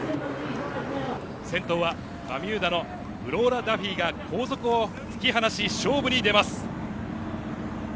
戦闘はバミューダのフローラ・ダフィが後続を突き放し勝負に出ます。